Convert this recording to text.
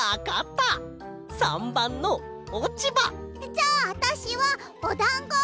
じゃああたしはおダンゴ！